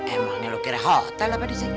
emangnya lo kira hotel apa disini